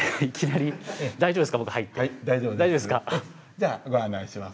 じゃあご案内します。